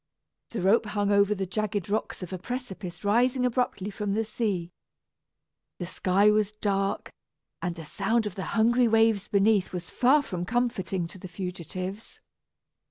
The rope hung over the jagged rocks of a precipice rising abruptly from the sea. The sky was dark, and the sound of the hungry waves beneath was far from comforting to the fugitives.